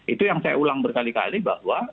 itu yang saya ulang berkali kali bahwa